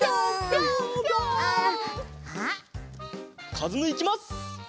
かずむいきます！